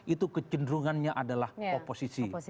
itu kecenderungannya adalah oposisi